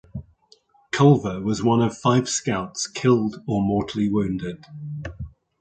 Culver was one of five scouts killed or mortally wounded.